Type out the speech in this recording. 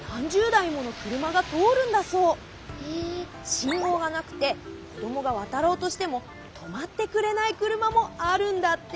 しんごうがなくてこどもがわたろうとしてもとまってくれないくるまもあるんだって。